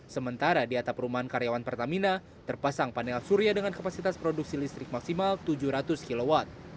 sementara di atap rumah karyawan pertamina terpasang panel surya dengan kapasitas produksi listrik maksimal tujuh ratus kw